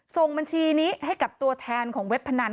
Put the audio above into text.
ส่งบัญชีนี้ให้กับตัวแทนของเว็บพนัน